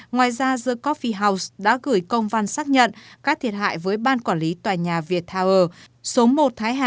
ngoài ra the coffee house đã gửi công văn xác nhận các thiệt hại với ban quản lý tòa nhà viettower